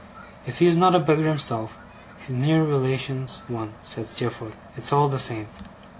'If he is not a beggar himself, his near relation's one,' said Steerforth. 'It's all the same.